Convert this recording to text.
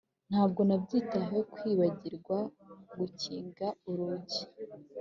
ntabwo nabyitayeho kwibagirwa gukinga urugi.